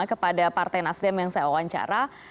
kepada partai nasdem yang saya wawancara